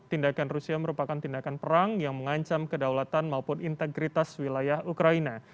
tindakan rusia merupakan tindakan perang yang mengancam kedaulatan maupun integritas wilayah ukraina